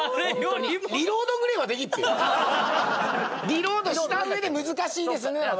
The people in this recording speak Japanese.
リロードした上で「難しいですね」はわかるけど。